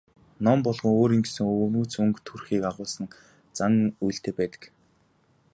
Ном болгон өөрийн гэсэн өвөрмөц өнгө төрхийг агуулсан зан үйлтэй байдаг.